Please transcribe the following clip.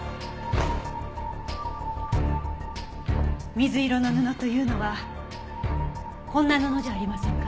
水色の布というのはこんな布じゃありませんか？